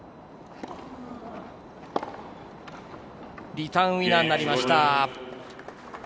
リターンウィナーになりました。